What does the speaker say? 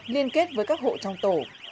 liên kết với các hộ trong tổ